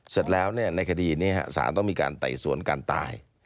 เสร็จแล้วในคดีนี้สารต้องมีการไต่สวนการตาย